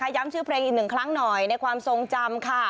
ย้ำชื่อเพลงอีกหนึ่งครั้งหน่อยในความทรงจำค่ะ